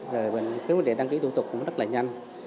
rồi cái vấn đề đăng ký thủ tục cũng rất là nhanh